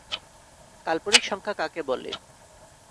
কাল্পনিক সংখ্যা কাকে বলে?